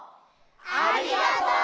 ありがとう！